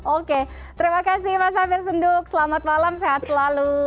oke terima kasih mas safir senduk selamat malam sehat selalu